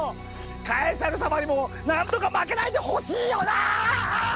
カエサル様にもなんとか負けないでほしいよな！